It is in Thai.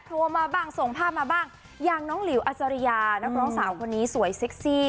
โทรมาบ้างส่งภาพมาบ้างอย่างน้องหลิวอัศริยานักร้องสาวคนนี้สวยเซ็กซี่